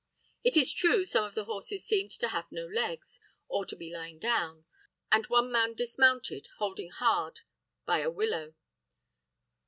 It is true, some of the horses seemed to have no legs, or to be lying down, and one man dismounted, holding hard by a willow.